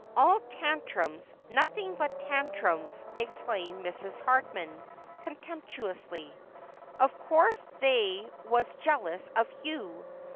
' All tantrums ; nothing but tantrums,' exclaimed Mrs. Hardman contemptuously. ' Of course they was jealous of you.